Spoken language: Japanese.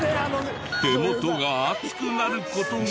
手元が熱くなる事が。